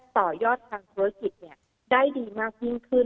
ต่อยอดทางเครื่องกิจเนี่ยได้ดีมากยิ่งขึ้น